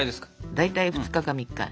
大体２日か３日。